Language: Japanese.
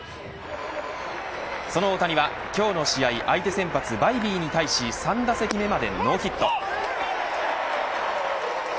その大谷は、今日の試合相手先発バイビーに対し３打席目までノーヒット。